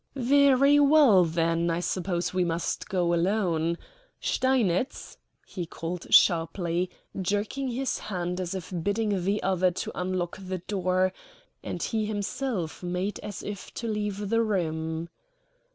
"Very well, then, I suppose we must go alone. Steinitz!" he called sharply, jerking his head as if bidding the other to unlock the door; and he himself made as if to leave the room.